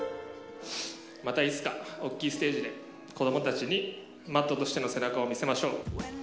またいつか大きいステージで、子どもたちにマッドとしての背中を見せましょう。